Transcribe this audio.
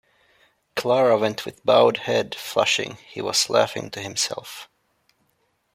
Clara went with bowed head, flushing; he was laughing to himself.